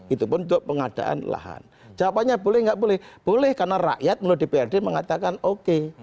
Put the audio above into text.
itu pun untuk pengadaan lahan jawabannya boleh nggak boleh boleh karena rakyat melalui dprd mengatakan oke